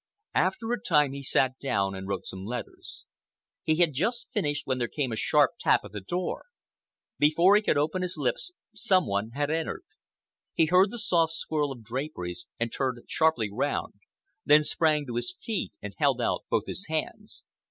After a time he sat down and wrote some letters. He had just finished when there came a sharp tap at the door. Before he could open his lips some one had entered. He heard the soft swirl of draperies and turned sharply round, then sprang to his feet and held out both his hands.